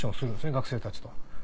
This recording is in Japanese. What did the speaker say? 学生たちと。